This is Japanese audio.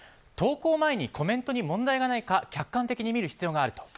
投稿前にコメントに問題がないか客観的に見る必要がある。